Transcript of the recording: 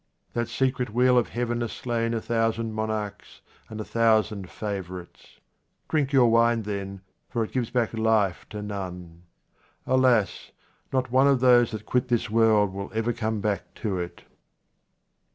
That secret wheel of Heaven has slain a thousand monarchs and a thousand favourites ; drink your wine, then, for it gives back life to none. Alas ! no one of those that quit this world will ever come back to it.